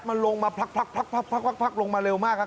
มันลงมาพักพักพักพักพักพักพักลงมาเร็วมากครับ